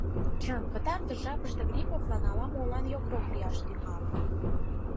Чын, пытартыш жапыште Грибовлан ала-молан йокрок лияш тӱҥалын.